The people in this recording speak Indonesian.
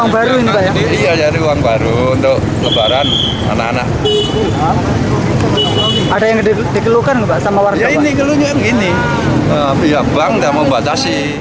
bi ajari uang baru untuk lebaran anak anak